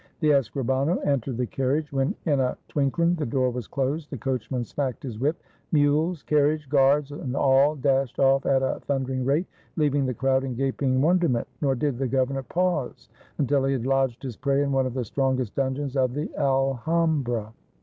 The escribano entered the carriage, when, in a twin kling, the door was closed, the coachman smacked his whip, — mules, carriage, guards, and all dashed off at a thundering rate, leaving the crowd in gaping wonder ment; nor did the governor pause until he had lodged his prey in one of the strongest dungeons of the Alhambra.